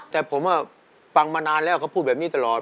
แต่ผมฟังมานานแล้วเขาพูดแบบนี้ตลอด